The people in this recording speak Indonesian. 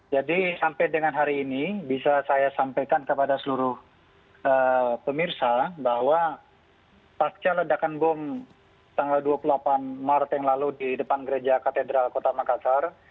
jadi sampai dengan hari ini bisa saya sampaikan kepada seluruh pemirsa bahwa pasca ledakan bom tanggal dua puluh delapan maret yang lalu di depan gereja katedral kota makassar